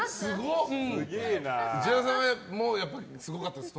内山さんはすごかったですか？